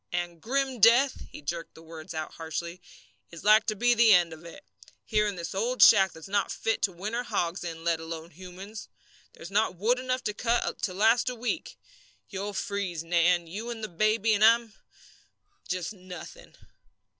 And grim death," he jerked the words out harshly, "is like to be the end of it, here in this old shack that's not fit to winter hogs in, let alone humans. There's not wood enough cut to last a week. You'll freeze, Nan, you and the baby, and I'm just nothing."